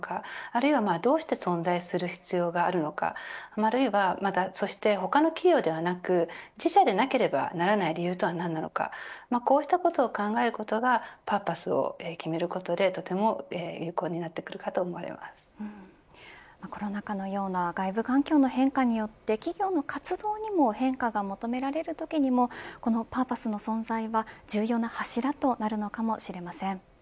あるいは、どうして存在する必要があるのかそして他の企業ではなく自社でなければならない理由とは何なのかこうしたことを考えることがパーパスを決めることでとても有効になってくるかとコロナ禍のような外部環境の変化によって企業の活動にも変化が求められるときにもこのパーパスの存在は重要な柱となるのかもしれません。